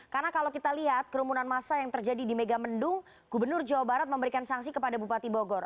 karena kalau kita lihat kerumunan massa yang terjadi di mega mendung gubernur jawa barat memberikan sanksi kepada bupati bogor